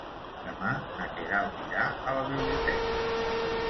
Demà na Queralt irà a la biblioteca.